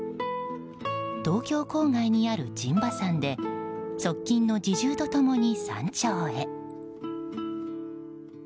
東京郊外にある陣馬山で側近の侍従と共に山頂へ。